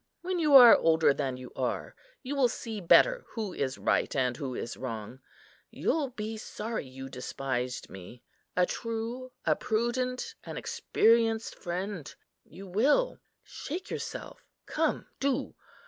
When you are older than you are, you will see better who is right and who is wrong. You'll be sorry you despised me, a true, a prudent, an experienced friend; you will. Shake yourself, come do.